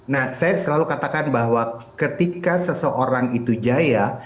nah saya selalu katakan bahwa ketika seseorang itu jaya